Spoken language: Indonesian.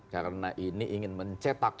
karena ini ingin mencetak